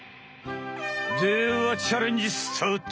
ではチャレンジスタート！